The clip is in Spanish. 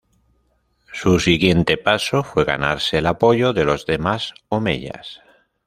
Su siguiente paso fue ganarse el apoyo de los demás omeyas.